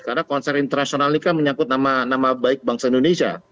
karena konser internasional ini kan menyangkut nama baik bangsa indonesia